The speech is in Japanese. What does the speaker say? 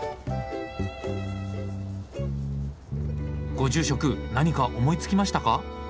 ご住職何か思いつきましたか？